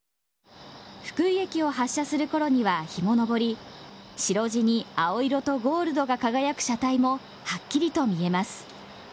福井駅を発車するころには日も昇り、白地に青色とゴールドが輝く車体もはっきりと見えます。